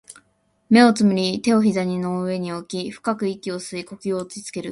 目を瞑り、手を膝の上に置き、深く息を吸い、呼吸を落ち着ける